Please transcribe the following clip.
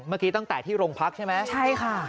เมื่อกี้ตั้งแต่ที่โรงพักใช่ไหมใช่ค่ะ